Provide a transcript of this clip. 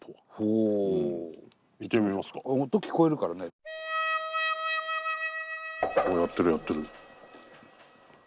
おやってるやってる。